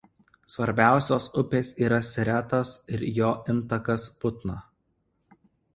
Svarbiausios upės yra Siretas ir jo intakas Putna.